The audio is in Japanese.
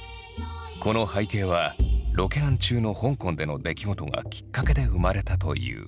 この背景はロケハン中の香港での出来事がきっかけで生まれたという。